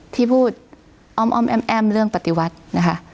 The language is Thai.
ที่พูดอ้อมแอ้มเรื่องปฏิวัตินะคะ